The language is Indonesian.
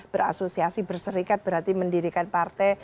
berasosiasi berserikat berarti mendirikan partai